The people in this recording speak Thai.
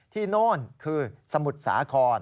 โน่นคือสมุทรสาคร